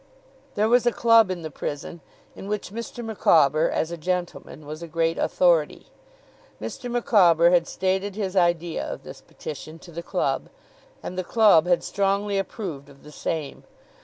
There was a club in the prison, in which Mr. Micawber, as a gentleman, was a great authority. Mr. Micawber had stated his idea of this petition to the club, and the club had strongly approved of the same.